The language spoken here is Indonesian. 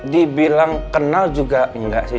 dibilang kenal juga enggak sih